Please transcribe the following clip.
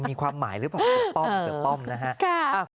มีความหมายหรือเปล่าเสือป้อมนะค่ะ